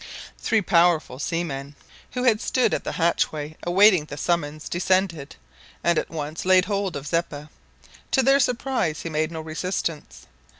Three powerful seamen, who had stood at the hatchway awaiting the summons, descended, and at once laid hold of Zeppa. To their surprise, he made no resistance.